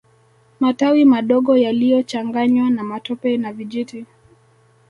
Matawi madogo yaliyochanganywa na matope na vijiti